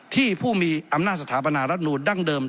ผู้มีอำนาจสถาปนารัฐนูลดั้งเดิม